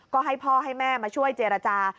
ก็ให้พ่อให้แม่มาช่วยเจรจา